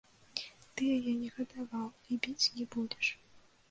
Ты яе не гадаваў і біць не будзеш.